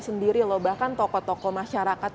sendiri loh bahkan tokoh tokoh masyarakat